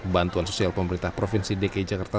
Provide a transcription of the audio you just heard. bantuan sosial pemerintah provinsi dki jakarta